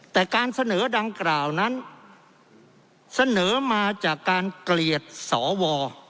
แต่การเสนอดังกล่าวนั้นเสนอมาจากการเกลียดสว